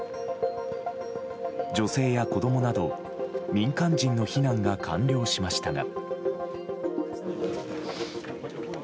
女性や子供など民間人の避難が完了しましたが。